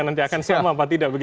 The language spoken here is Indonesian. nanti akan sama apa tidak